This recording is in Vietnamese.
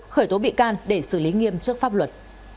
khởi tố bị can để xử lý nghiêm trước pháp luật